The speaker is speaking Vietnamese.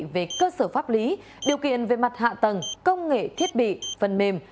về cơ sở pháp lý điều kiện về mặt hạ tầng công nghệ thiết bị phần mềm